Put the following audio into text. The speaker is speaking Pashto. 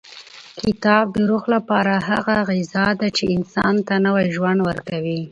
کتاب د روح لپاره هغه غذا ده چې انسان ته نوی ژوند ورکوي.